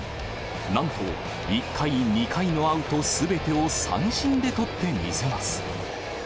なんと１回、２回のアウトすべてを三振で取ってみせます。